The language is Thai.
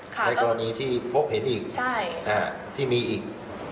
ใกล้ตอนนี้ที่พบเห็นอีกที่มีอีก